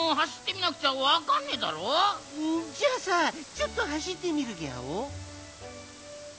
ちょっとはしってみるギャオ。